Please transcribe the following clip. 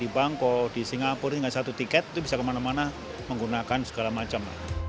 bagaimana menggunakan segala macam